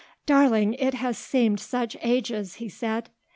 "Darling, it has seemed such ages," he said.